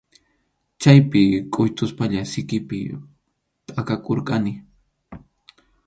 Chaypi kʼuytuspalla sikipi pakakurqani.